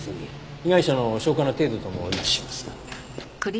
被害者の消化の程度とも一致します。